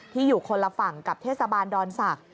อยู่คนละฝั่งกับเทศบาลดอนศักดิ